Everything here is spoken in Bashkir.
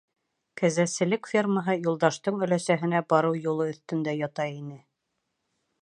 Кәзәселек фермаһы Юлдаштың өләсәһенә барыу юлы өҫтөндә ята ине.